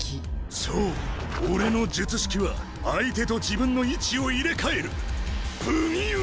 そう俺の術式は相手と自分の位置を入れ替える「不義遊戯」！